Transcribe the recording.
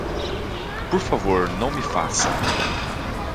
Por favor não me faça.